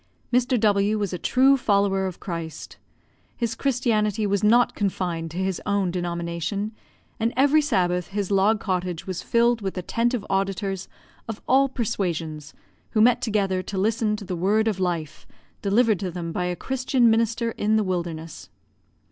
Mr. W was a true follower of Christ. His Christianity was not confined to his own denomination; and every Sabbath his log cottage was filled with attentive auditors, of all persuasions, who met together to listen to the word of life delivered to them by a Christian minister in the wilderness.